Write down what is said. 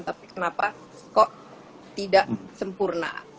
tapi kenapa kok tidak sempurna